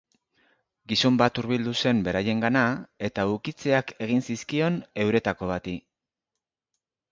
Gizon bat hurbildu zen beraiengana eta ukitzeak egin zizkion euretako bati.